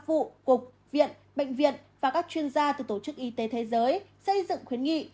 vụ cục viện bệnh viện và các chuyên gia từ tổ chức y tế thế giới xây dựng khuyến nghị